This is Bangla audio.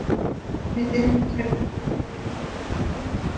মেয়েদের ক্ষেত্রে একাধিক বিয়ের অনুমতি নেই।